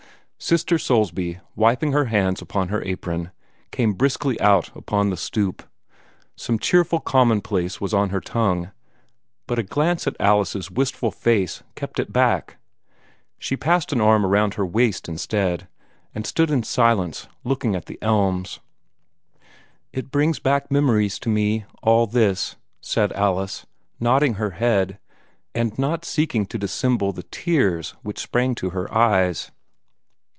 Sister Soulsby, wiping her hands on her apron, came briskly out upon the stoop. Some cheerful commonplace was on her tongue, but a glance at Alice's wistful face kept it back. She passed an arm around her waist instead, and stood in silence, looking at the elms. "It brings back memories to me all this," said Alice, nodding her head, and not seeking to dissemble the tears which sprang to her eyes.